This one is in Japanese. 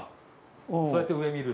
そうやって上見る？